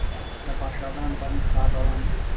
د پاشدان بند کار روان دی؟